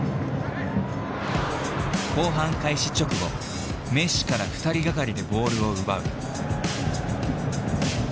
後半開始直後メッシから２人がかりでボールを奪う。